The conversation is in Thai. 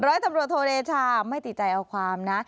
ร้อยตำรวจโทเดชาไม่ติดใจเอาความนะ